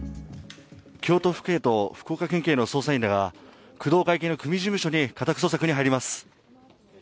京都府警と福岡県警の捜査員らが工藤会系の組事務所に家宅捜索に入ります。